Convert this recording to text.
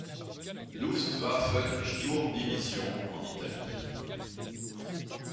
Luftwaffen-Sturm-Division en Italie.